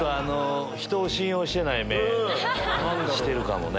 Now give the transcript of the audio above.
人を信用してない目してるかもね。